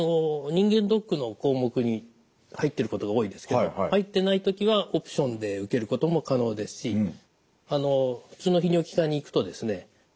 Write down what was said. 人間ドックの項目に入ってることが多いですけど入ってない時はオプションで受けることも可能ですし普通の泌尿器科に行くとですね